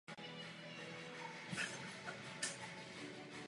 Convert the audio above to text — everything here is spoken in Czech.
Jeho bratr Ladislav byl rovněž fotbalistou.